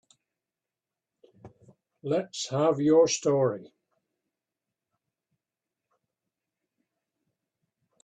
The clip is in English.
Let's have your story.